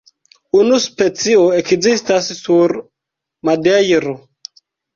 Unu specio ekzistas sur Madejro.